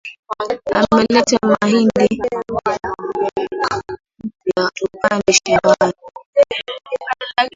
Ameleta mahindi mpya tupande shambani